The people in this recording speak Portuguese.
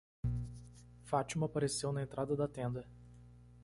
Fátima apareceu na entrada da tenda.